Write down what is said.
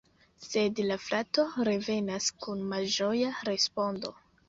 Sed la frato revenas kun malĝoja respondo.